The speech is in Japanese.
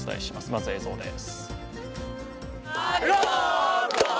まずは映像です。